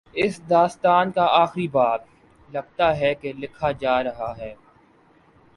اس داستان کا آخری باب، لگتا ہے کہ لکھا جا رہا ہے۔